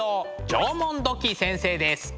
縄文土器先生です。